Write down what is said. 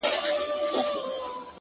• جادوګر په شپه کي وتښتېد له ښاره,